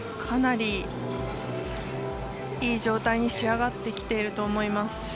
かなりいい状態に仕上がってきていると思います。